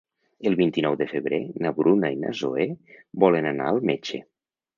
El vint-i-nou de febrer na Bruna i na Zoè volen anar al metge.